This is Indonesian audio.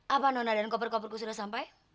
apa nona dan koper koperku sudah sampai